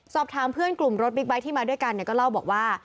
สอบถามเพื่อนกลุ่มรถบิ๊กไบท์ที่มาด้วยกันเนี่ยก็เล่าบอกว่า